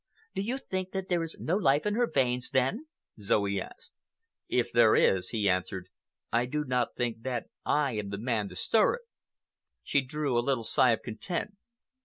"Do you think that there is no life in her veins, then?" Zoe asked. "If there is," he answered, "I do not think that I am the man to stir it." She drew a little sigh of content.